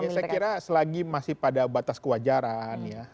saya kira selagi masih pada batas kewajaran ya